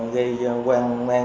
gây quan mang